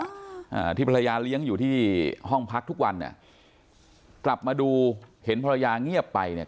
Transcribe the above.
อ่าที่ภรรยาเลี้ยงอยู่ที่ห้องพักทุกวันเนี่ยกลับมาดูเห็นภรรยาเงียบไปเนี่ย